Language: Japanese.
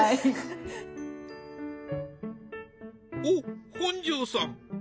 お本上さん